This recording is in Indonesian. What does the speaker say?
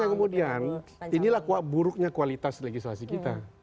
nah kemudian inilah buruknya kualitas legislasi kita